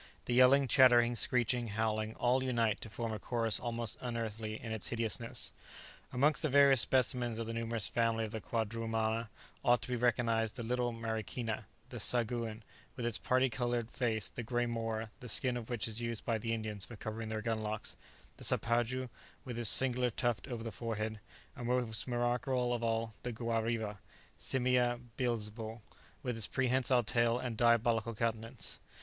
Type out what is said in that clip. The yelling, chattering, screeching, howling, all unite to form a chorus almost unearthly in its hideousness. Amongst the various specimens of the numerous family of the quadrumana ought to be recognized the little marikina; the sagouin, with its parti coloured face; the grey mora, the skin of which is used by the Indians for covering their gun locks; the sapajou, with its singular tuft over the forehead, and, most remarkable of all, the guariba (Simia Beelzebul) with its prehensile tail and diabolical countenance.